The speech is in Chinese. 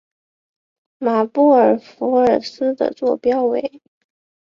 马布尔福尔斯的座标为。